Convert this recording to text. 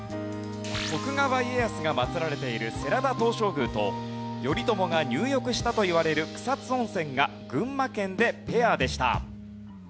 徳川家康が祀られている世良田東照宮と頼朝が入浴したといわれる草津温泉が群馬県でペアでした。